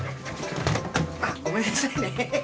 ごめんなさいねヘヘヘ。